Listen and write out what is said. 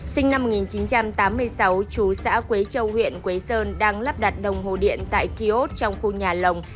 sinh năm một nghìn chín trăm tám mươi sáu chú xã quế châu huyện quế sơn đang lắp đặt đồng hồ điện tại kiosk trong khu nhà lồng